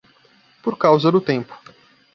Por causa do tempo